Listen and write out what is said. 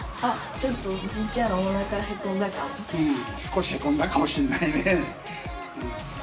少しへこんだかもしれないね。